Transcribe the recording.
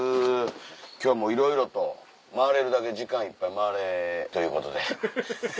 今日はもういろいろと回れるだけ時間いっぱい回れということで。